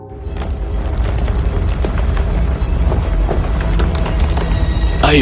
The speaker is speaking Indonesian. pangeran menerima tangan pangeran